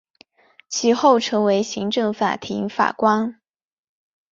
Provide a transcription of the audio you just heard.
其后成为行政法庭法官。